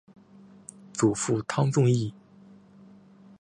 祖父汤宗义。